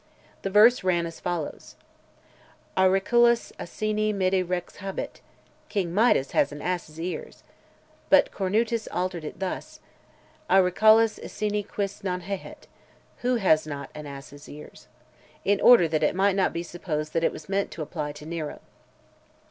The verse ran as follows: Auriculas asini Mida rex habet; King Midas has an ass's ears; but Cornutus altered it thus; Auriculas asini quis non hahet? Who has not an ass's ears? in order that it might not be supposed that it was meant to apply to Nero.